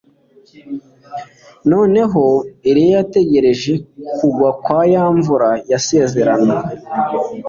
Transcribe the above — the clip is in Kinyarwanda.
Noneho Eliya yategereje kugwa kwa ya mvura yasezeranwe